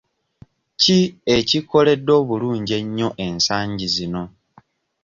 Ki ekikkoledde obulungi ennyo ensangi zino?